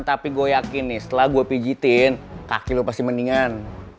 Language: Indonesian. tapi gue yakin nih setelah gue pijitin kaki lo pasti mendingan